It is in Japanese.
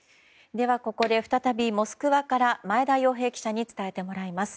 では、ここで再び、モスクワから前田洋平記者に伝えてもらいます。